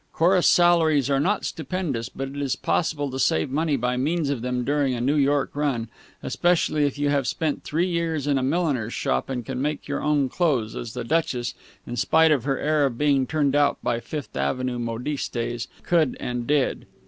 Chorus salaries are not stupendous, but it is possible to save money by means of them during a New York run, especially if you have spent three years in a milliner's shop and can make your own clothes, as the Duchess, in spite of her air of being turned out by Fifth Avenue modistes, could and did.